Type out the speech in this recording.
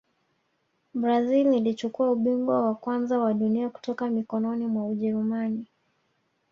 brazil ilichukua ubingwa wa kwanza wa dunia kutoka mikononi mwa ujerumani